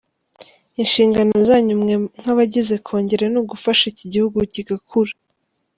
Inshingano zanyu mwe nk’abagize Kongere ni ugufasha iki gihugu kigakura.